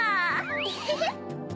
エヘヘ。